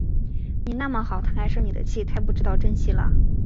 你那么好，她还生你的气，太不知道珍惜了